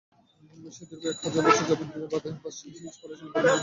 সে দীর্ঘ এক হাজার বছর যাবত বাদশাহী করেছিল বলে মনে করা হয়ে থাকে।